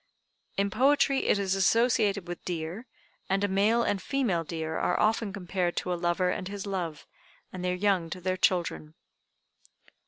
In poetry it is associated with deer, and a male and female deer are often compared to a lover and his love, and their young to their children.